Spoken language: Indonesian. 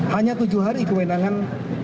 hanya tujuh hari kewenangan